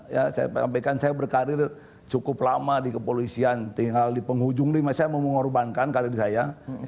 ya saya sampaikan saya berkarir cukup lama di kepolisian tinggal di penghujung lima saya mengorbankan karir saya